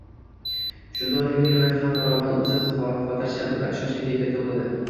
Shunda oilaviy hayot ham farovon, o‘zi ham xotirjam va ishonchli kayfiyatda bo‘ladi.